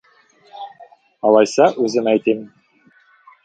Алайса, үзем әйтим.